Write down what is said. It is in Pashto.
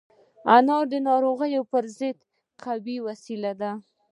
انار د ناروغیو پر ضد قوي وسيله ده.